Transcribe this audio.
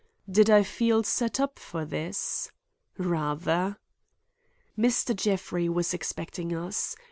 Did I feel set up by this? Rather. Mr. Jeffrey was expecting us.